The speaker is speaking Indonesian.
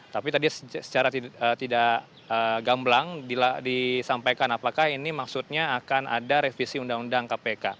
tapi tadi secara tidak gamblang disampaikan apakah ini maksudnya akan ada revisi undang undang dasar seribu sembilan ratus empat puluh lima